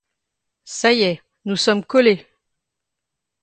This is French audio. Ça y est, nous sommes collés!